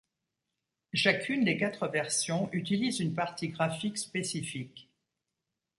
Chacune des quatre versions utilise une partie graphique spécifique.